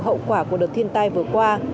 hậu quả của đợt thiên tai vừa qua